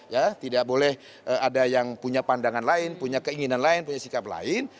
ya tidak boleh ada yang punya pandangan lain punya keinginan lain punya sikap lain